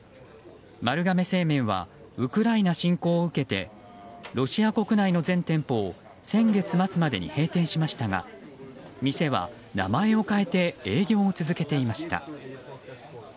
丸亀製麺はウクライナ侵攻を受けてロシア国内の全店舗を先月末までに閉店しましたが店は名前を変えて営業を続けていました。